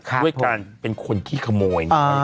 ด้วยการเป็นคนขี้ขโมย